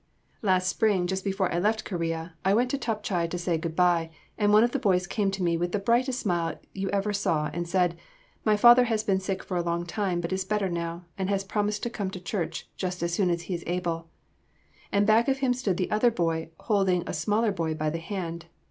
Last spring, just before I left Korea, I went to Top Chai to say good bye, and one of the boys came to me with the brightest smile you ever saw and said, "My father has been sick for a long time but is better now, and has promised to come to church just as soon as he is able." And back of him stood the other boy holding a smaller boy by the hand.